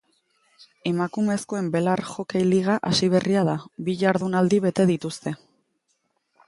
Emakumezkoen belar hokei liga hasi berria da, bi jardunaldi bete dituzte.